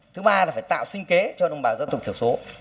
thứ ba là phải tạo sinh kế cho đồng bào dân tộc thiểu số